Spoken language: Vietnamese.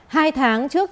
hai tháng trước